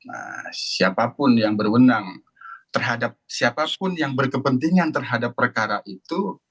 nah siapapun yang berwenang terhadap siapapun yang berkepentingan terhadap perkara itu